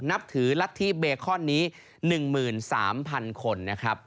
นับถือรัฐธิเบคอนนี้๑๓๐๐คนนะครับ